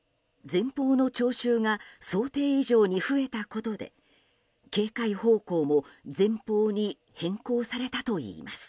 前方の聴衆が想定以上に増えたことで警戒方向も前方に変更されたといいます。